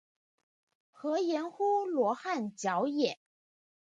曷言乎罗汉脚也？